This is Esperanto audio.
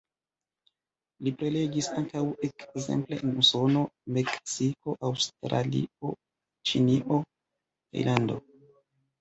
Li prelegis ankaŭ ekzemple en Usono, Meksiko, Aŭstralio, Ĉinio, Tajlando.